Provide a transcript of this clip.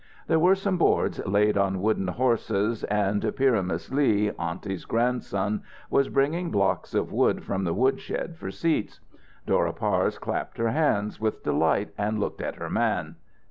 There were some boards laid on wooden horses, and Pyramus Lee, aunty's grandson, was bringing blocks of wood from the woodshed for seats. Dora Parse clapped her hands with delight and looked at her man.